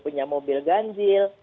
punya mobil ganjil